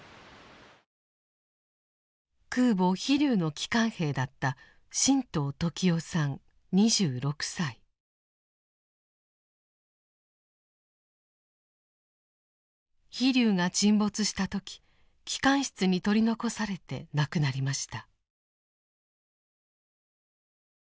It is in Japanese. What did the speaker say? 空母「飛龍」の機関兵だった「飛龍」が沈没した時機関室に取り残されて亡くなりました。